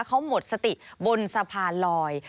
เขาหมดสติบนสะพานลอย